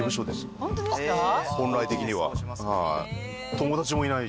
本来的には。